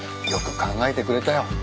よく考えてくれたよ。